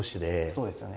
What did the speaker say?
そうですよね。